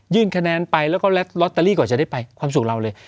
คะแนนไปแล้วก็ลอตเตอรี่กว่าจะได้ไปความสุขเราเลย